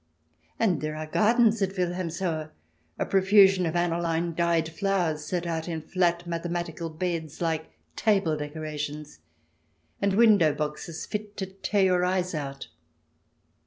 And there are gardens at Wilhelmshohe, a profusion of anihne dyed flowers set out in flat mathematical beds, like table decorations, and window boxes fit to tear your eyes out.